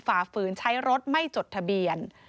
ฝ่าฝืนใช้รถไม่จดทะเบียน